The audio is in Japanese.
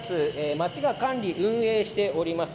町が管理、運営しております